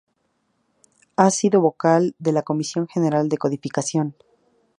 Ha sido Vocal de la Comisión General de Codificación.